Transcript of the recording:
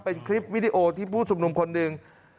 เป็นคลิปวิดีโอที่ผู้ชุมนุมคนหนึ่ง